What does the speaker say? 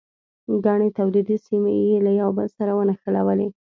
ګڼې تولیدي سیمې یې له یو بل سره ونښلولې.